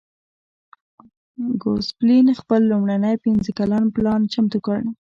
ګوسپلن خپل لومړنی پنځه کلن پلان چمتو کړ